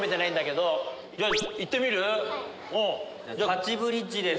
立ちブリッジです。